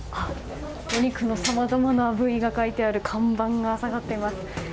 お肉のさまざまな部位が書いてある看板がさがっています。